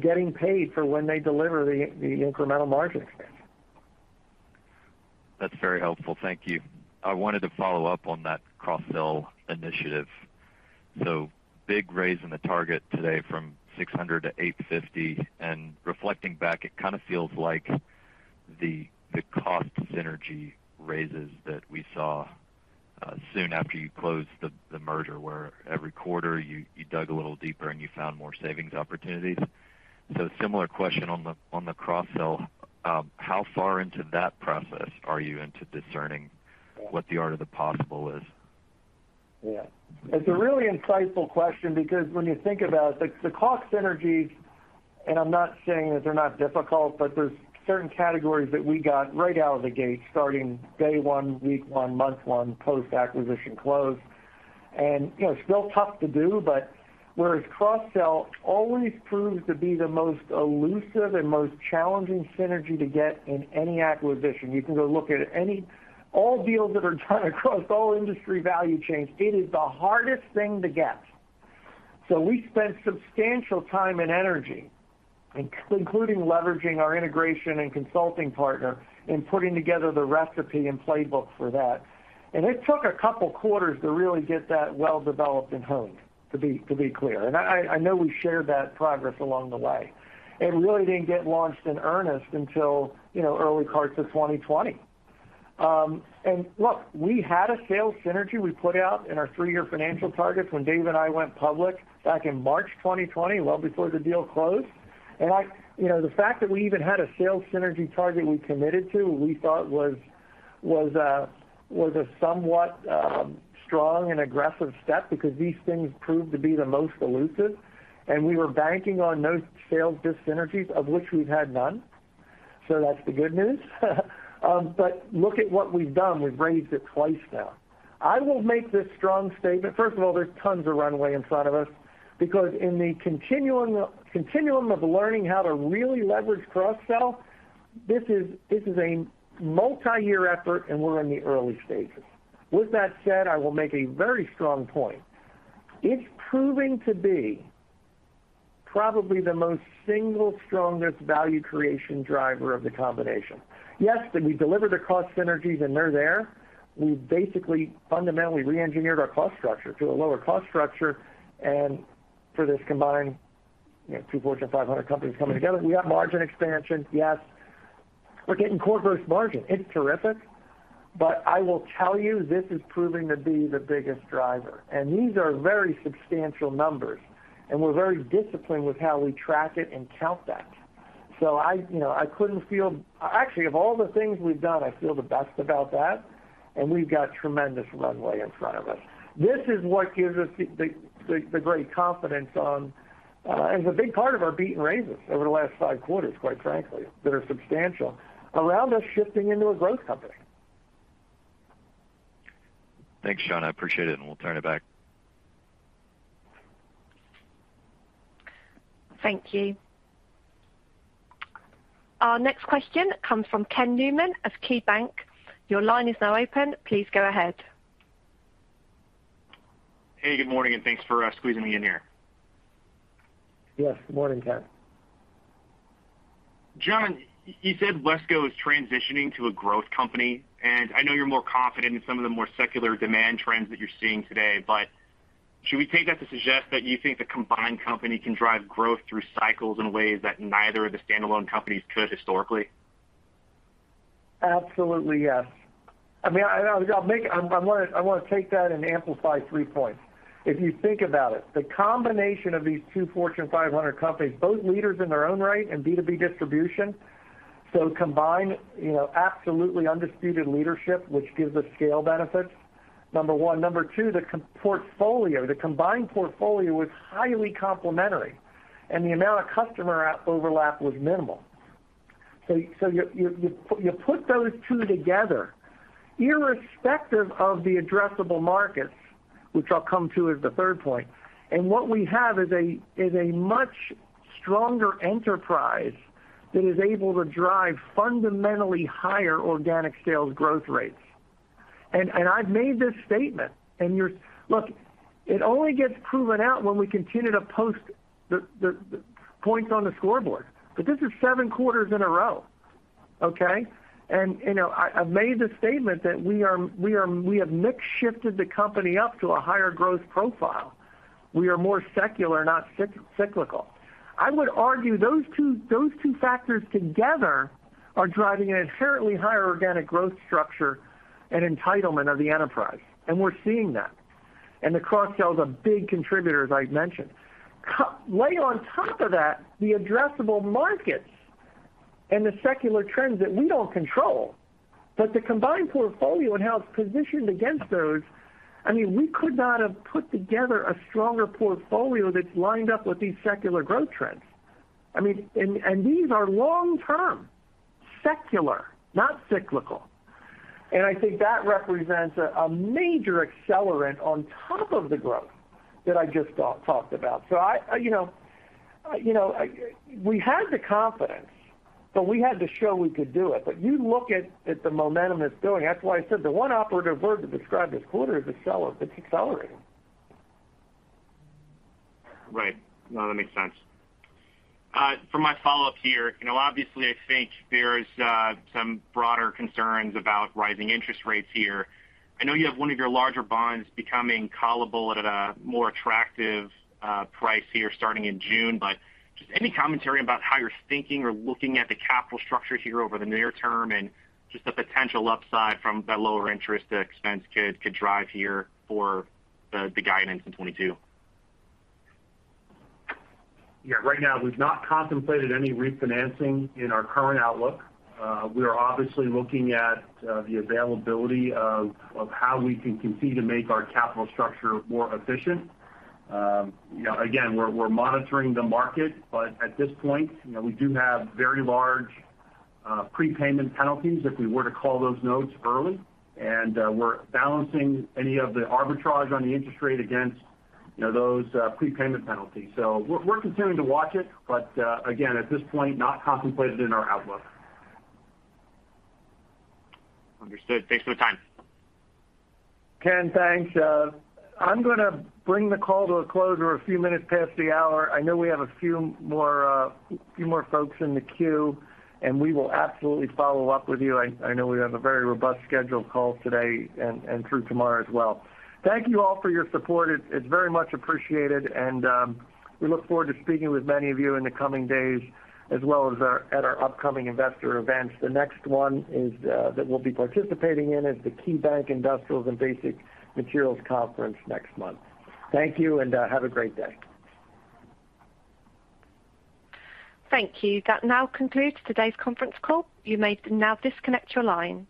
[SPEAKER 3] getting paid for when they deliver the incremental margin expansion.
[SPEAKER 9] That's very helpful. Thank you. I wanted to follow up on that cross-sell initiative. Big raise in the target today from $600 million to $850 million. Reflecting back, it kind of feels like the cost synergy raises that we saw soon after you closed the merger, where every quarter you dug a little deeper, and you found more savings opportunities. Similar question on the cross-sell. How far into that process are you into discerning what the art of the possible is?
[SPEAKER 3] Yeah. It's a really insightful question because when you think about it, the cost synergies, and I'm not saying that they're not difficult, but there's certain categories that we got right out of the gate starting day one, week one, month one post-acquisition close. You know, still tough to do, but whereas cross-sell always proves to be the most elusive and most challenging synergy to get in any acquisition. You can go look at all deals that are done across all industry value chains, it is the hardest thing to get. We spent substantial time and energy including leveraging our integration and consulting partner in putting together the recipe and playbook for that. It took a couple quarters to really get that well developed and honed, to be clear. I know we shared that progress along the way. It really didn't get launched in earnest until early parts of 2020. Look, we had a sales synergy we put out in our three-year financial targets when Dave and I went public back in March 2020, well before the deal closed. You know, the fact that we even had a sales synergy target we committed to, we thought was a somewhat strong and aggressive step because these things proved to be the most elusive, and we were banking on no sales dis-synergies, of which we've had none. That's the good news. Look at what we've done. We've raised it twice now. I will make this strong statement. First of all, there's tons of runway in front of us because in the continuum of learning how to really leverage cross-sell, this is a multiyear effort, and we're in the early stages. With that said, I will make a very strong point. It's proving to be probably the most single strongest value creation driver of the combination. Yes, did we deliver the cost synergies, and they're there? We basically fundamentally reengineered our cost structure to a lower cost structure. For this combined, you know, two Fortune 500 companies coming together. We got margin expansion, yes. We're getting core gross margin. It's terrific. I will tell you, this is proving to be the biggest driver. These are very substantial numbers, and we're very disciplined with how we track it and count that. I couldn't feel. Actually, of all the things we've done, I feel the best about that, and we've got tremendous runway in front of us. This is what gives us the great confidence on, and the big part of our beat and raises over the last five quarters, quite frankly, that are substantial around us shifting into a growth company.
[SPEAKER 9] Thanks, John. I appreciate it, and we'll turn it back.
[SPEAKER 1] Thank you. Our next question comes from Kenneth Newman of KeyBanc. Your line is now open. Please go ahead.
[SPEAKER 10] Hey, good morning, and thanks for squeezing me in here.
[SPEAKER 3] Yes. Good morning, Ken.
[SPEAKER 10] John, you said WESCO is transitioning to a growth company, and I know you're more confident in some of the more secular demand trends that you're seeing today. Should we take that to suggest that you think the combined company can drive growth through cycles in ways that neither of the standalone companies could historically?
[SPEAKER 3] Absolutely, yes. I mean, I wanna take that and amplify three points. If you think about it, the combination of these two Fortune 500 companies, both leaders in their own right in B2B distribution. Combined, you know, absolutely undisputed leadership, which gives us scale benefits, number one. Number two, the combined portfolio was highly complementary, and the amount of customer overlap was minimal. So you put those two together irrespective of the addressable markets, which I'll come to as the third point, and what we have is a much stronger enterprise that is able to drive fundamentally higher organic sales growth rates. I've made this statement. Look, it only gets proven out when we continue to post the points on the scoreboard. This is seven quarters in a row, okay? I've made the statement that we have mix shifted the company up to a higher growth profile. We are more secular, not cyclical. I would argue those two factors together are driving an inherently higher organic growth structure and entitlement of the enterprise. We're seeing that. The cross-sell is a big contributor, as I mentioned. Lay on top of that, the addressable markets and the secular trends that we don't control. The combined portfolio and how it's positioned against those, I mean, we could not have put together a stronger portfolio that's lined up with these secular growth trends. I mean, these are long-term, secular, not cyclical. I think that represents a major accelerant on top of the growth that I just talked about. We had the confidence, but we had to show we could do it. You look at the momentum it's building. That's why I said the one operative word to describe this quarter is accelerating.
[SPEAKER 10] Right. No, that makes sense. For my follow-up here, obviously, I think there's some broader concerns about rising interest rates here. I know you have one of your larger bonds becoming callable at a more attractive price here starting in June, but just any commentary about how you're thinking or looking at the capital structure here over the near term and just the potential upside from the lower interest expense could drive here for the guidance in 2022?
[SPEAKER 3] Yeah. Right now, we've not contemplated any refinancing in our current outlook. We are obviously looking at the availability of how we can continue to make our capital structure more efficient. Again, we're monitoring the market, but at this point, we do have very large prepayment penalties if we were to call those notes early. We're balancing any of the arbitrage on the interest rate against, those prepayment penalties. We're continuing to watch it, but again, at this point, not contemplated in our outlook.
[SPEAKER 10] Understood. Thanks for the time.
[SPEAKER 3] Ken, thanks. I'm gonna bring the call to a close. We're a few minutes past the hour. I know we have a few more folks in the queue, and we will absolutely follow up with you. I know we have a very robust scheduled call today and through tomorrow as well. Thank you all for your support. It's very much appreciated, and we look forward to speaking with many of you in the coming days as well as at our upcoming investor events. The next one is that we'll be participating in is the KeyBanc Industrials & Basic Materials Conference next month. Thank you, and have a great day.
[SPEAKER 1] Thank you. That now concludes today's conference call. You may now disconnect your line.